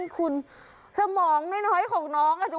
คุณสมองน้อยของน้อง